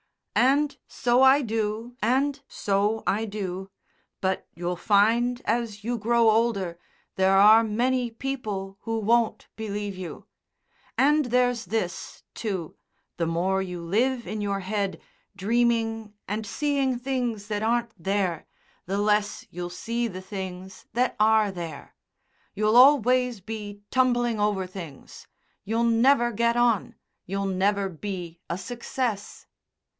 "And so I do and so I do. But you'll find, as you grow older, there are many people who won't believe you. And there's this, too. The more you live in your head, dreaming and seeing things that aren't there, the less you'll see the things that are there. You'll always be tumbling over things. You'll never get on. You'll never be a success."